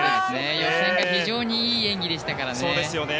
予選が非常にいい演技でしたからね。